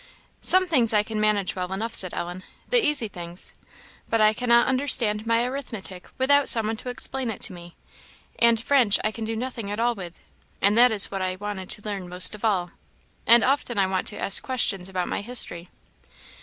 "Some things I can manage well enough," said Ellen "the easy things; but I cannot understand my arithmetic without some one to explain it to me: and French I can do nothing at all with, and that is what I wanted to learn most of all; and often I want to ask questions about my history."